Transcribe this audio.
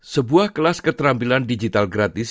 sebuah kelas keterampilan digital gratis